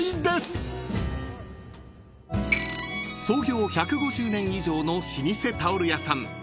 ［創業１５０年以上の老舗タオル屋さん